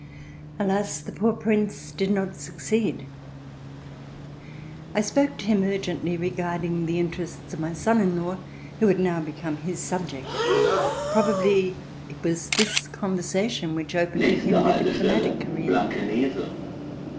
Alas! the poor Prince did not succeed. I spoke to him urgently regarding the interests of my son in law who had now become his subject. Probably it was this conversation which opened to him the diplomatic career.